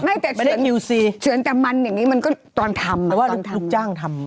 เฉินแต่มันอย่างนี้มันก็ตอนทำแต่ว่าลูกจ้างทำ